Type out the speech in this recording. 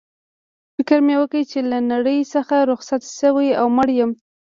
فکر مې وکړ چي له نړۍ څخه رخصت شوی او مړ یم.